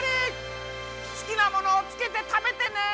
すきなものをつけてたべてね！